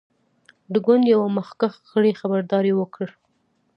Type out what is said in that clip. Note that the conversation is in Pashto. د ګوند یوه مخکښ غړي خبرداری ورکړ.